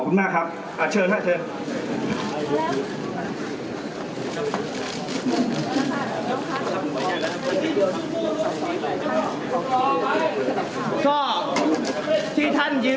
ที่ท่านที่ท่าน